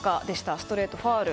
ストレートファウル。